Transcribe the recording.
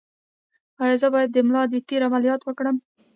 ایا زه باید د ملا د تیر عملیات وکړم؟